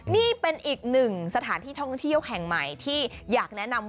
นี่เป็นอีกหนึ่งสถานที่ท่องเที่ยวแห่งใหม่ที่อยากแนะนำ